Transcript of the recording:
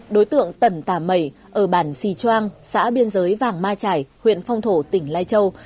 đối tượng tẩn tà mẩy ở bản xì choang xã biên giới vàng ma trải huyện phong thổ tỉnh lai châu